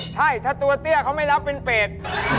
ใช่ถ้าตัวเตี้ยเขาไม่รับเป็นเปรต